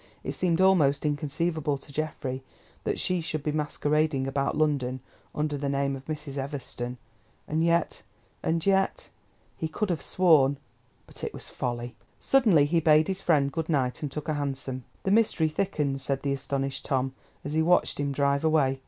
It seemed almost inconceivable to Geoffrey that she should be masquerading about London, under the name of Mrs. Everston. And yet—and yet—he could have sworn—but it was folly! Suddenly he bade his friend good night, and took a hansom. "The mystery thickens," said the astonished "Tom," as he watched him drive away.